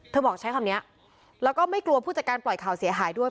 บอกใช้คำนี้แล้วก็ไม่กลัวผู้จัดการปล่อยข่าวเสียหายด้วย